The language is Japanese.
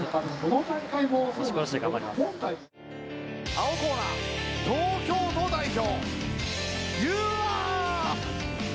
青コーナー東京都代表ゆわ！